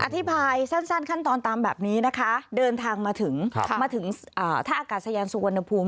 อธิบายสั้นขั้นตอนตามแบบนี้นะคะเดินทางมาถึงมาถึงท่าอากาศยานสุวรรณภูมิ